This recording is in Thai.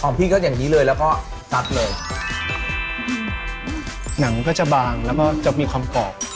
พี่ก็อย่างนี้เลยแล้วก็ซัดเลยหนังก็จะบางแล้วก็จะมีความกรอบ